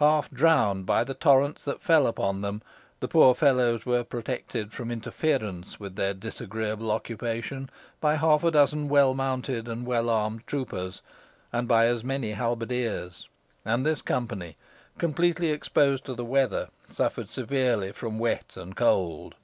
Half drowned by the torrents that fell upon them, the poor fellows were protected from interference with their disagreeable occupation by half a dozen well mounted and well armed troopers, and by as many halberdiers; and this company, completely exposed to the weather, suffered severely from wet and cold.